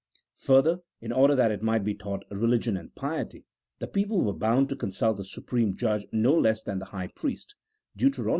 Further, in order that it might be taught religion and piety, the people was bound to con sult the supreme judge no less than the high priest (Deut.